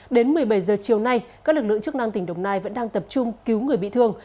đến một mươi bảy h chiều nay các lực lượng chức năng tỉnh đồng nai vẫn đang tập trung cứu người bị thương